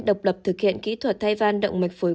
độc lập thực hiện kỹ thuật thay van động mạch phối